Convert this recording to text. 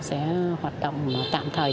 sẽ hoạt động tạm thời